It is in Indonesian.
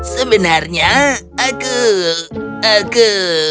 sebenarnya aku aku